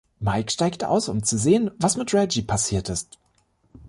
Mike steigt aus, um zu sehen, was mit Reggie passiert ist.